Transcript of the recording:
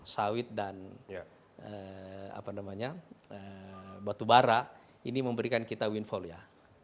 sawit dan batu bara ini memberikan kita windfall ya